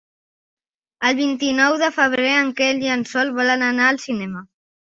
El vint-i-nou de febrer en Quel i en Sol volen anar al cinema.